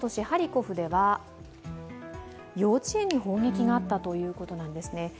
ハリコフでは、幼稚園に砲撃があったということなんですね。